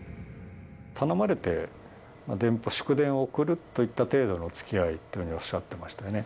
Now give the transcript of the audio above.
頼まれて祝電を送るといった程度のつきあいっていうふうにおっしゃっていましたよね。